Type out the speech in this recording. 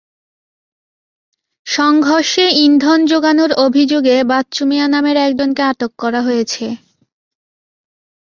সংঘর্ষে ইন্ধন জোগানোর অভিযোগে বাচ্চু মিয়া নামের একজনকে আটক করা হয়েছে।